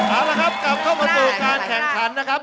เอาละครับกลับเข้ามาสู่การแข่งขันนะครับ